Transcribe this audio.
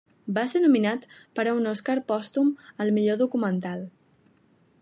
Va ser nominat per a un Oscar pòstum al millor documental.